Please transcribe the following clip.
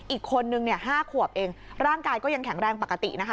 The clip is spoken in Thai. อีกคนนึงเนี่ย๕ขวบเองร่างกายก็ยังแข็งแรงปกตินะคะ